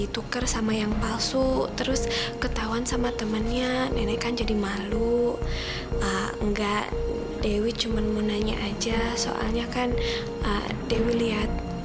terima kasih banyak ya